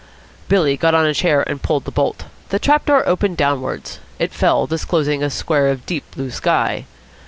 Billy got on a chair and pulled the bolt. The trap door opened downwards. It fell, disclosing a square of deep blue sky.